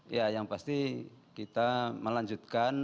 ya yang pasti kita melanjutkan